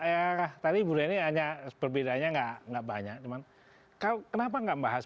ayah tadi bu reni hanya seberbedaianya enggak enggak banyak cuman kau kenapa enggak bahas